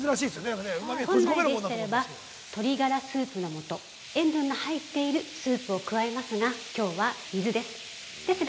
◆本来でしたらば鶏がらスープの素、塩分の入っているスープを加えますがきょうは水です。